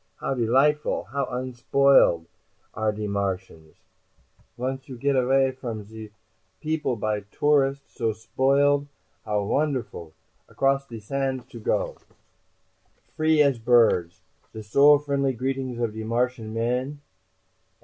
How delightful, how unsboiled, are ze Martians, once you get away from de people by tourists so sboiled! How wonderful, across the sands to go, free as birds! The so friendly greetings of de Martian men.